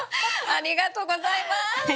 ありがとうございます。